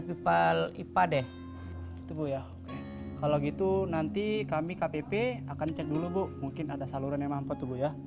pipal ipad deh kalau gitu nanti kami kpp akan cek dulu bu mungkin ada saluran yang mampu ya